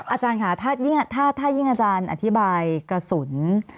อาจารย์ค่ะถ้ายิ่งอาจารย์อธิบายกระสุน